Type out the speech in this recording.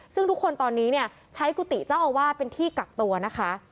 ซึ่งทุกคนตอนนี้เนี่ยใช้กุฏิเจ้าอาวาสเป็นที่กักตัวนะคะ